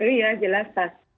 iya jelas pak